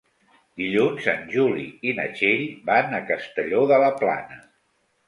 Dilluns en Juli i na Txell van a Castelló de la Plana.